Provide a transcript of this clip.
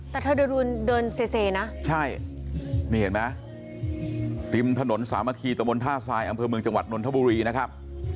แต่เธอเดินเซนะใช่นี่เห็นไหมริมถนนสามัคคีตะมนต์ท่าทรายอำเภอเมืองจังหวัดนนทบุรีนะครับ